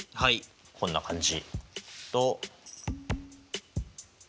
とこんな感じ。